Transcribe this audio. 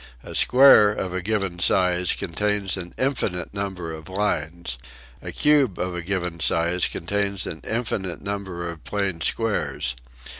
A square of a given size contains an infinite number of lines. A cube of a given size contains an infinite number of plane squares.